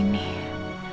gue harus kuat